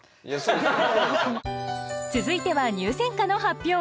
続いては入選歌の発表。